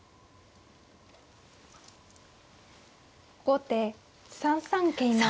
後手３三桂馬。